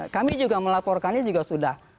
kami juga melaporkannya juga sudah